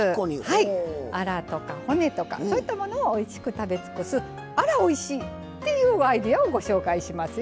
アラとか骨とかそういったものをおいしく食べ尽くすアラおいしい！っていうアイデアをご紹介しますよ。